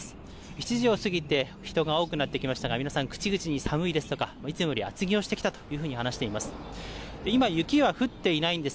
７時を過ぎて人が多くなってきましたが、皆さん、口々に寒いですとか、いつもより厚着をしてきたというふうに話しています。